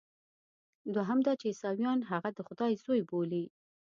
دوهم دا چې عیسویان هغه د خدای زوی بولي.